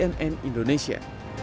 tim liputan cnn indonesia